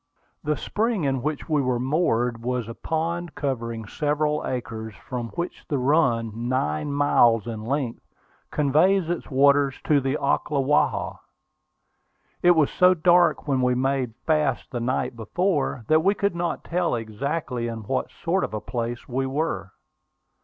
The spring in which we were moored was a pond covering several acres, from which the run, nine miles in length, conveys its waters to the Ocklawaha. It was so dark when we made fast the night before, that we could not tell exactly in what sort of a place we were.